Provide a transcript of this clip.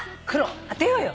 当てようよ。